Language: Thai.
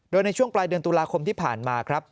โดยในช่วงปลายเดือนตุลาคมที่ผ่านมาครับ